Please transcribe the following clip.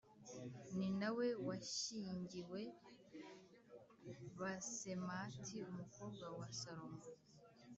ni na we washyingiwe Basemati umukobwa wa Salomo